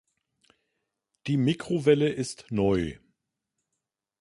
Die Mikrowelle ist neu.